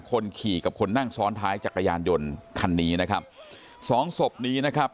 คนขี่กับคนนั่งซ้อนท้ายจักรยานยนต์คันนี้นะครับสองศพนี้นะครับ